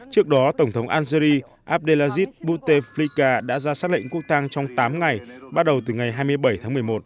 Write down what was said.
trước đó tổng thống algeri abdelaziz bouteflika đã ra xác lệnh quốc tăng trong tám ngày bắt đầu từ ngày hai mươi bảy tháng một mươi một